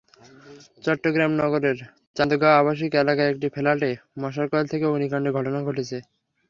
চট্টগ্রাম নগরের চান্দগাঁও আবাসিক এলাকার একটি ফ্ল্যাটে মশার কয়েল থেকে অগ্নিকাণ্ডের ঘটনা ঘটেছে।